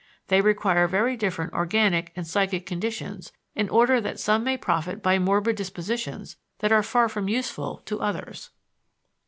They require very different organic and psychic conditions in order that some may profit by morbid dispositions that are far from useful to others.